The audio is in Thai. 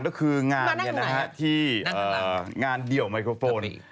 ก็คืองานที่งานเดี่ยวไมโครโฟน